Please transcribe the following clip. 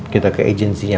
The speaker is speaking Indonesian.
kita ke agensinya